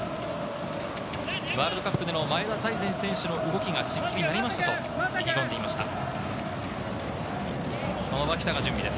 ワールドカップでの前田大然選手の動きが刺激になりましたと意気込んでいます。